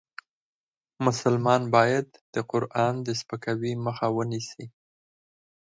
مسلمان باید د قرآن د سپکاوي مخه ونیسي .